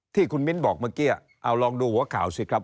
ที่คุณมิ้นบอกเมื่อกี้เอาลองดูหัวข่าวสิครับ